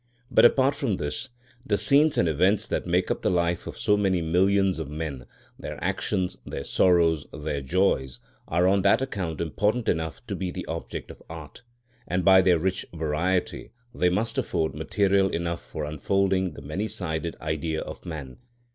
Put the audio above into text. But apart from this, the scenes and events that make up the life of so many millions of men, their actions, their sorrows, their joys, are on that account important enough to be the object of art, and by their rich variety they must afford material enough for unfolding the many sided Idea of man.